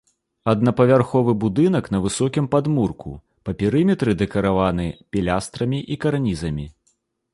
Аднапавярховы будынак на высокім падмурку, па перыметры дэкараваны пілястрамі і карнізамі.